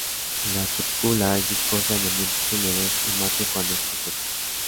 La cutícula es viscosa en ambientes húmedos, y mate cuando se seca.